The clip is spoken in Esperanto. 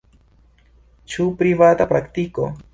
Ĉu privata praktiko?